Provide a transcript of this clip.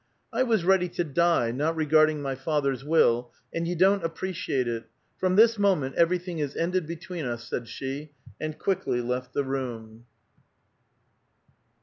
" I was ready to die, not regarding my father's will, and you don't appreciate it. From this moment everything is ended between us," said she, and quickly left the room.